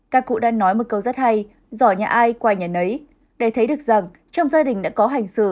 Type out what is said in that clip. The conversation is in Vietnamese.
các cụ đã nói một câu rất hay giỏi nhà ai qua nhà nấy để thấy được rằng trong gia đình đã có hành xử